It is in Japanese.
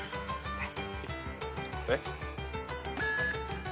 はい。